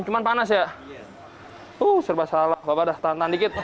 cuman panas ya uh serba salah obat tahan tahan dikit